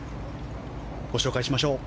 ご紹介しましょう。